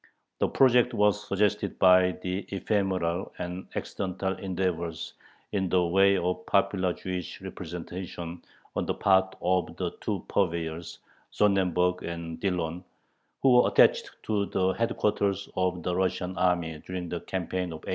The project was suggested by the ephemeral and accidental endeavors in the way of popular Jewish representation on the part of the two purveyors, Sonnenberg and Dillon, who were attached to the headquarters of the Russian army during the campaign of 1812.